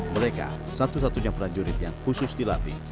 mereka satu satunya prajurit yang khusus dilatih